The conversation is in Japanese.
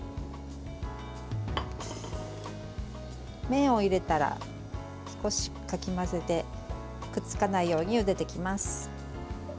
麺を入れたら少しかき混ぜてくっつかないようにゆでていきます。